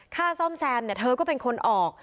ซ่อมแซมเธอก็เป็นคนออก